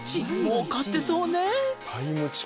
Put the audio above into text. もうかってそうね」